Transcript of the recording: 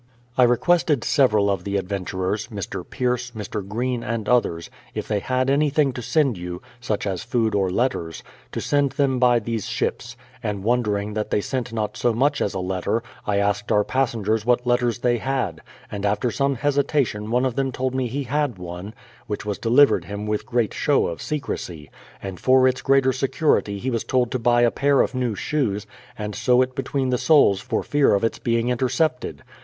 I requested several of the adventurers, Mr. Pierce, Mr. Greene, and others, if they had anything to send you, — such as food or letters, — to send them by these ships ; and wondering that they sent not so much as a letter, I asked our passengers what letters they had, and after some hesitation one of them told me he had one, which was delivered him with great show of secrecy; and for its greater security he was tcld to buj'^ a pair of new shoes, and sew it between the soles for fear of its being intercepted.